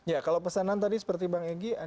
ya kalau pesanan tadi seperti bang egy